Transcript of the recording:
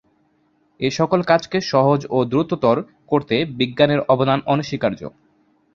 এসকল কাজকে সহজ ও দ্রুততর করতে বিজ্ঞানের অবদান অনস্বীকার্য।